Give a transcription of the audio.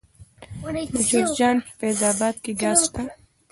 د جوزجان په فیض اباد کې ګاز شته.